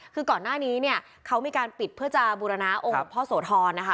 คือก่อนหน้านี้เนี่ยเขามีการปิดเพื่อจะบูรณาองค์พ่อโสธรนะคะ